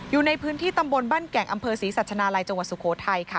อยู่ในพื้นที่ตำบลบ้านแก่งอำเภอศรีสัชนาลัยจังหวัดสุโขทัยค่ะ